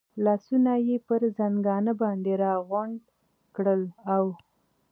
لاسونه یې پر زنګانه باندې را غونډ کړل، اوه.